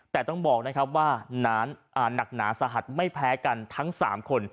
แต่ต้องบอกนะครับว่าหนักหนาสาหัสไม่แพ้กันทั้ง๓คน